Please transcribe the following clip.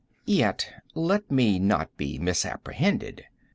Yet let me not be misapprehended.